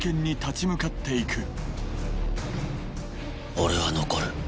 俺は残る。